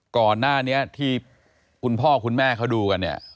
ก่อนหน้านี้ที่คุณพ่อคุณแม่เขาดูกันเนี่ย